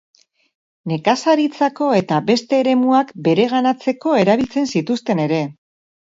Nekazaritzako eta beste eremuak bereganatzeko erabiltzen zituzten ere.